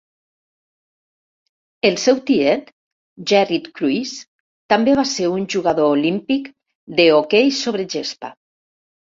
El seu tiet Gerrit Kruize també va ser un jugador olímpic de hoquei sobre gespa.